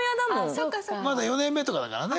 まだ４年目とかだからね。